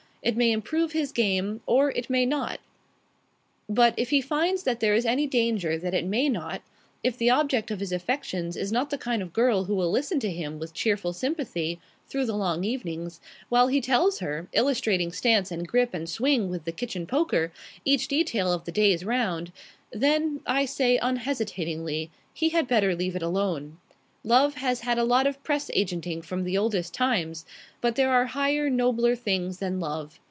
It may improve his game or it may not. But, if he finds that there is any danger that it may not if the object of his affections is not the kind of girl who will listen to him with cheerful sympathy through the long evenings, while he tells her, illustrating stance and grip and swing with the kitchen poker, each detail of the day's round then, I say unhesitatingly, he had better leave it alone. Love has had a lot of press agenting from the oldest times; but there are higher, nobler things than love.